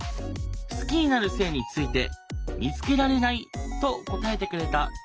好きになる性について「見つけられない」と答えてくれた。